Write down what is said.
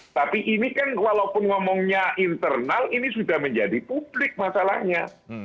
tapi ini kan walaupun ngomongnya internal ini sudah menjadi publik masalahnya